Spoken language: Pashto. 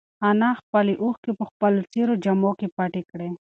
انا خپلې اوښکې په خپلو څېرو جامو کې پټې کړې.